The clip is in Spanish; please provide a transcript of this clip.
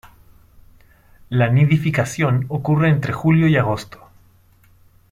La nidificación ocurre entre julio y agosto.